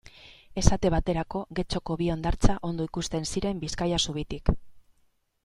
Esate baterako, Getxoko bi hondartza ondo ikusten ziren Bizkaia zubitik.